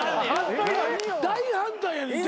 大反対やねんって。